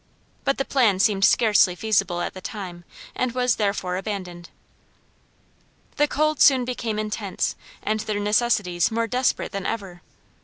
But the plan seemed scarcely feasible at the time, and was therefore abandoned. The cold soon became intense and their necessities more desperate than ever.